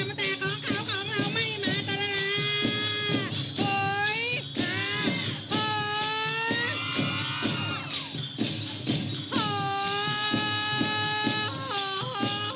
แต่ของขาวของเราไม่มาตลาด